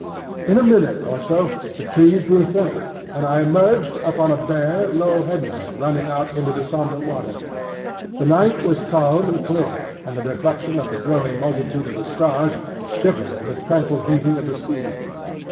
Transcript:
In a minute or so the trees grew thinner, and I emerged upon a bare, low headland running out into the sombre water. The night was calm and clear, and the reflection of the growing multitude of the stars shivered in the tranquil heaving of the sea.